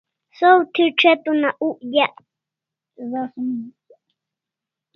Saw thi ch'etr una uk dyek